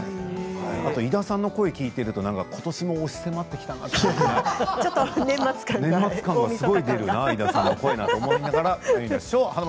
あと、井田さんの声を聞いているとことしも押し迫ってきたなと年末感がすごい出るな井田さんの声、と思いながら。